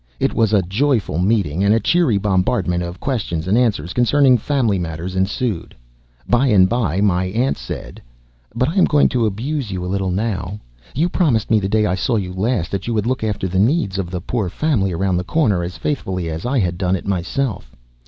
It was a joyful meeting and a cheery bombardment of questions and answers concerning family matters ensued. By and by my aunt said: "But I am going to abuse you a little now. You promised me, the day I saw you last, that you would look after the needs of the poor family around the corner as faithfully as I had done it myself.